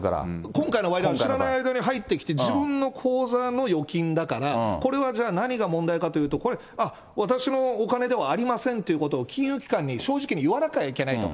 今回の場合は、知らない間に入ってきて、自分の口座の預金だから、これはじゃあなにが問題かというと、これ、あっ、私のお金ではありませんっていうことを金融機関に正直に言わなきゃいけないと。